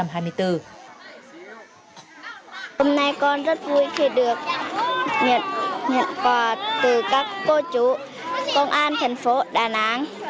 hôm nay con rất vui khi được nhận quà từ các cô chú công an thành phố đà nẵng